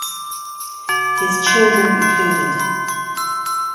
His children included